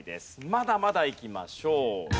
まだまだいきましょう。